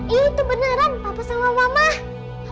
itu beneran papa sama mama